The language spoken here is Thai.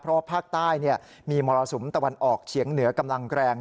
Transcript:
เพราะว่าภาคใต้มีมรสุมตะวันออกเฉียงเหนือกำลังแรง